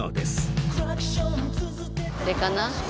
あれかな？